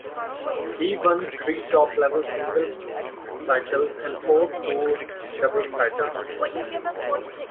He won three top-level singles titles and four tour doubles titles.